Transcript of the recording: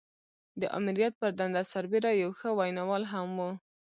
د آمريت پر دنده سربېره يو ښه ويناوال هم و.